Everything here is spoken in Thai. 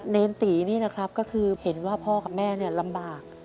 เนรตีนี่นะครับก็คือเห็นว่าพ่อกับแม่เนี่ยลำบาก